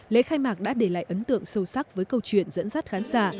lễ khai mạc đã để lại ấn tượng sâu sắc với câu chuyện dẫn dắt khán giả